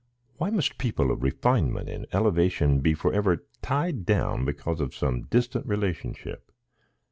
Why must people of refinement and elevation be forever tied down because of some distant relationship?